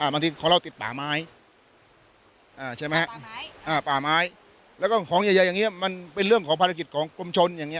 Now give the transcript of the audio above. บางทีของเราติดป่าไม้ใช่ไหมฮะป่าไม้แล้วก็ของใหญ่อย่างนี้มันเป็นเรื่องของภารกิจของกรมชนอย่างนี้